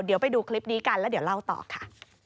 เดี๋ยวไปดูคลิปนี้กันแล้วเดี๋ยวเล่าต่อค่ะ